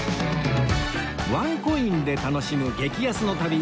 ワンコインで楽しむ激安の旅